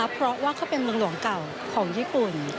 เพราะว่าเขาเป็นเมืองหลวงเก่าของญี่ปุ่น